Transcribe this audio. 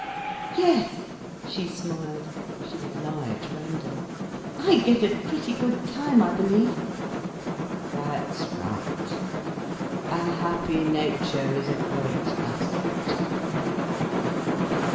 "Yes," she smiled—she would lie at random—"I get a pretty good time I believe." "That's right. A happy nature is a great asset."